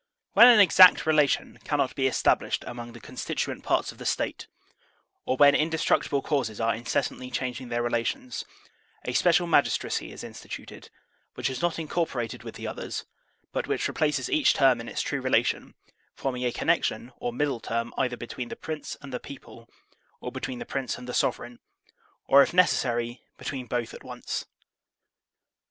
When an exact relation cannot be established among the constituent parts of the State, or when indestructible causes are incessantly changing their relations, a special magistracy is instituted, which is not incorporated with the others, but which replaces each term in its true re lation, forming a connection or middle term either between the Prince and the people, or between the Prince and the sovereign, or if necessary between both at once.